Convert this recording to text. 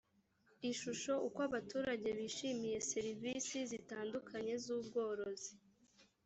ishusho uko abaturage bishimiye serivisi zitandukanye z ubworozi